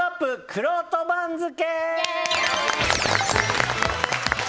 くろうと番付！